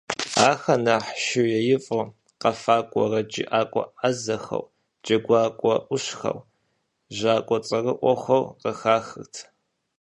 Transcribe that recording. Ахэр нэхъ шууеифӀу, къэфакӀуэ, уэрэджыӀакӀуэ Ӏэзэхэу, джэгуакӀуэ Ӏущхэу, жьакӀуэ цӀэрыӀуэхэу къыхахырт.